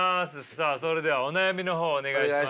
さあそれではお悩みの方お願いします。